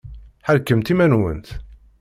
Ḥerrkemt iman-nwent!